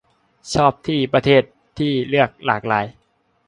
ชอบที่ประเทศที่เลือกหลากหลาย